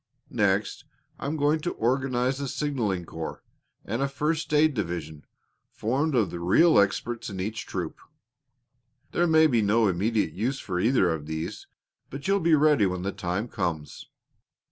Next, I'm going to organize a signaling corps and a first aid division formed of the real experts in each troop. There may be no immediate use for either of these, but you'll be ready when the time comes.